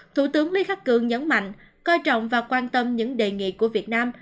thủ tướng lý khắc cường nhấn mạnh coi trọng và quan tâm những đề nghị của việt nam